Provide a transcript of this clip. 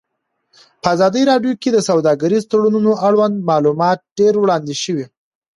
په ازادي راډیو کې د سوداګریز تړونونه اړوند معلومات ډېر وړاندې شوي.